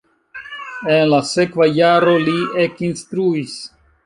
En la sekva jaro li ekinstruis.